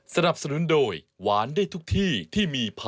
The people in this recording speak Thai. สำหรับสนุนทรีย์